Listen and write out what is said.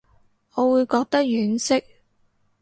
我會覺得婉惜